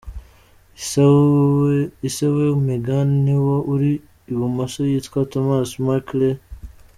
Ise wa Meghan ni uwo uri i bumoso yitwa Thomas Markle Sr.